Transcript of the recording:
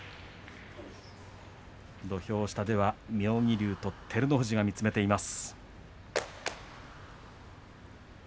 土俵下では妙義龍と照ノ富士が見つめています。